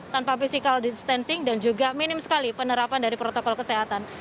tanpa physical distancing dan juga minim sekali penerapan dari protokol kesehatan